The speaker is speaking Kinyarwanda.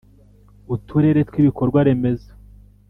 uturere tw ibikorwa remezo